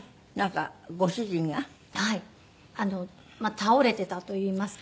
倒れてたといいますか。